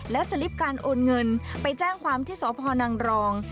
และสลิปการโอนเงินไปแจ้งความที่สพนังรอง